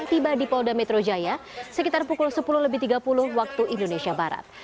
tiba di polda metro jaya sekitar pukul sepuluh lebih tiga puluh waktu indonesia barat